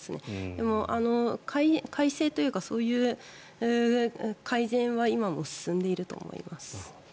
でも、改正というかそういう改善は今も進んでいると思います。